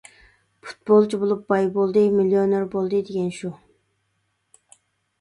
پۇتبولچى بولۇپ باي بولدى، مىليونېر بولدى دېگەن شۇ.